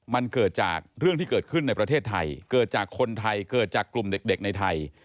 มันเกิดจากเรื่องที่เกิดขึ้นในประเทศไทยเกิดจากคนไทยเกิดจากกลุ่มเด็กในไทย